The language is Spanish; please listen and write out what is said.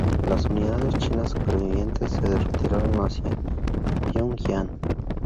Las unidades chinas supervivientes se retiraron hacia Pyongyang.